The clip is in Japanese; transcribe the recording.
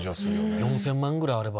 ４０００万ぐらいあれば。